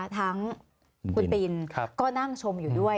ทั้งคุณตินก็นั่งชมอยู่ด้วย